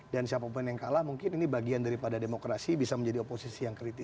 dan siapapun yang kalah mungkin ini bagian daripada demokrasi bisa menjadi oposisi yang kritis